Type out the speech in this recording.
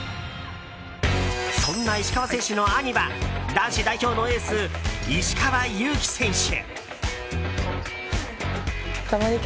そんな石川選手の兄は男子代表のエース、石川祐希選手。